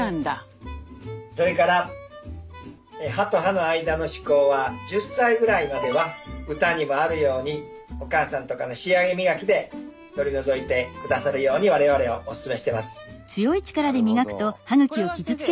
それから歯と歯の間の歯垢は１０歳ぐらいまでは歌にもあるようにお母さんとかの仕上げ磨きで取り除いてくださるように我々はおすすめしてます。